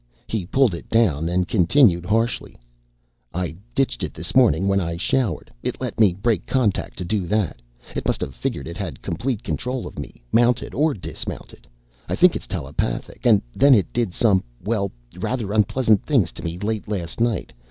He pulled it down and continued harshly, "I ditched it this morning when I showered. It let me break contact to do that. It must have figured it had complete control of me, mounted or dismounted. I think it's telepathic, and then it did some, well, rather unpleasant things to me late last night.